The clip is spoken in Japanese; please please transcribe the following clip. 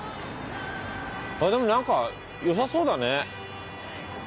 でもなんか良さそうだね。